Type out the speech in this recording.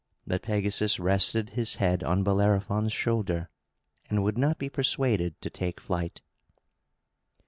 But Pegasus rested his head on Bellerophon's shoulder, and would not be persuaded to take flight.